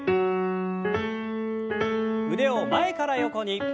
腕を前から横に。